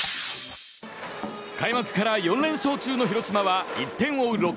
開幕から４連勝中の広島は１点を追う